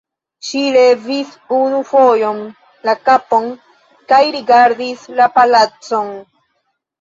Ŝi levis unu fojon la kapon kaj rigardis la palacon.